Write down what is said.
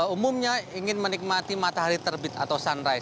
umumnya ingin menikmati matahari terbit atau sunrise